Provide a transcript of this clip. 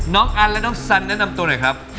น้องอันและน้องสันแนะนำตัวหน่อยครับ